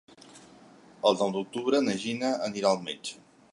El nou d'octubre na Gina anirà al metge.